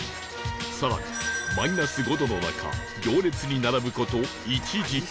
更にマイナス５度の中行列に並ぶ事１時間